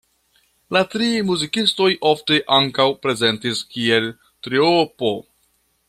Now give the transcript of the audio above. La tri muzikistoj ofte ankaŭ prezentis kiel triopo.